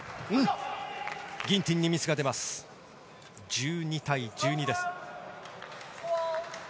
ギンティンにミスが出まして１２対１２です。